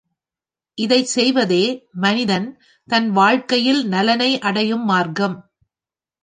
இதைச் செய்வதே மனிதன் தன் வாழ்க்கையில் நலனை அடையும் மார்க்கம்.